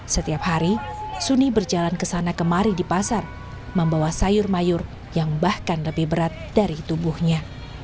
setiap hari suni berjalan ke sana kemari di pasar membawa sayur mayur yang bahkan lebih berat dari tubuhnya